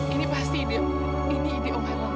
ini pasti ide om air lambang